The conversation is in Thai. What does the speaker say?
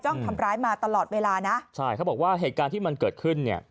ทำร้ายมาตลอดเวลานะใช่เขาบอกว่าเหตุการณ์ที่มันเกิดขึ้นเนี่ย